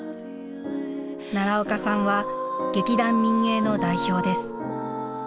奈良岡さんは「劇団民藝」の代表です。